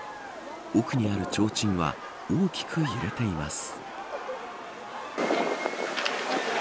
奥にあるちょうちんは大きく揺れています。